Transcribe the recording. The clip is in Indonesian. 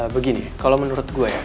begini kalau menurut gue ya